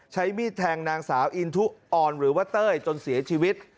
ใช้มีดแทงนางสาวอินทุอ่อนหรือว่าเต้ยจนเสียชีวิต